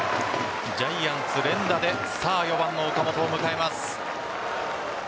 ジャイアンツ連打で４番の岡本を迎えます。